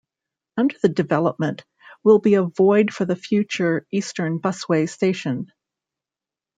Under the development, will be a void for the future Eastern Busway station.